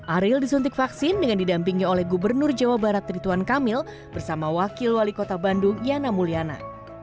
ariel disuntik vaksin dengan didampingi oleh gubernur jawa barat rituan kamil bersama wakil wali kota bandung yana mulyana